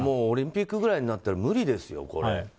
オリンピックぐらいになると無理ですよ、これは。